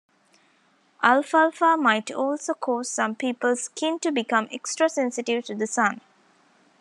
Alfalfa might also cause some people's skin to become extra sensitive to the sun.